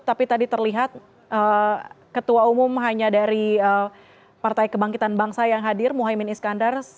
tapi tadi terlihat ketua umum hanya dari partai kebangkitan bangsa yang hadir muhaymin iskandar